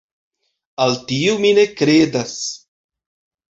Al tio mi ne kredas.